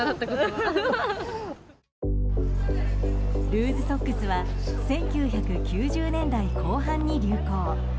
ルーズソックスは１９９０年代後半に流行。